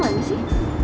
fon ini kemana sih